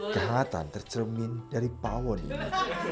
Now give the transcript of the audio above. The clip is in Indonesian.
kehatan tercermin dari pawon ini